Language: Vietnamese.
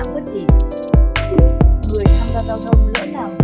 người tham gia giao thông lưỡng đảng